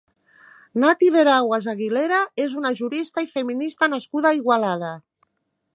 Nati Veraguas Aguilera és una jurista i feminista nascuda a Igualada.